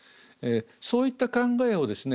そういった考えをですね